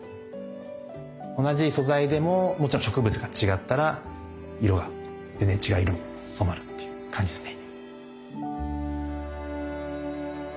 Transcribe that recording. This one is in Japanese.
同じ素材でももちろん植物が違ったら色が全然違う色に染まるっていう感じですね。